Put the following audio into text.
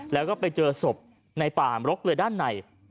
แล้วก็ไปเจอศพในป่ามรกเรือด้านใน